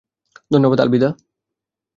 ধন্যবাদ, আলবিদা।